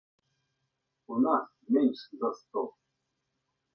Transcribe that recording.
У нас менш за сто.